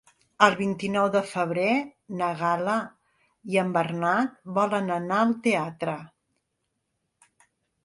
El vint-i-nou de febrer na Gal·la i en Bernat volen anar al teatre.